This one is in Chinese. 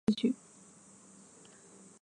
该庙位于中华民国台南市中西区。